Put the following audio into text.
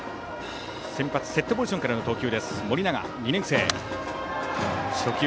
先発セットポジションからの投球です。